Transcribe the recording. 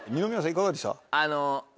いかがでした？